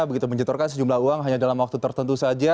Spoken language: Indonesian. begitu menyetorkan sejumlah uang hanya dalam waktu tertentu saja